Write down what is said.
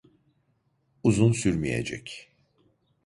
Uzun sürmeyecek.